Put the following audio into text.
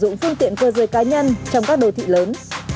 dùng phương tiện cơ rời cá nhân trong các đô thị lớn